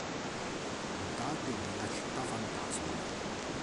Puntate di La città fantasma